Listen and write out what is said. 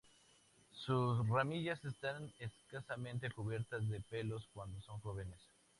Sus ramillas están escasamente cubiertas de pelos cuando son jóvenes.